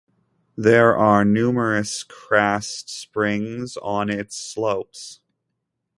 There are numerous karst springs on its slopes.